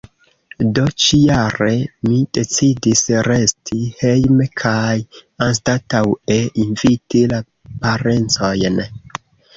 Do, ĉi-jare mi decidis resti hejme kaj anstataŭe inviti la parencojn.